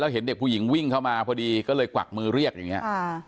เห็นเด็กผู้หญิงวิ่งเข้ามาพอดีก็เลยกวักมือเรียกอย่างนี้